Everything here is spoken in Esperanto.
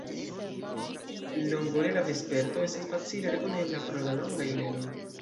Longorela Vesperto estas facile rekonebla pro la longaj oreloj.